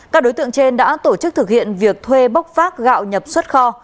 các đối tượng trên đã tổ chức thực hiện việc thuê bốc phát gạo nhập xuất kho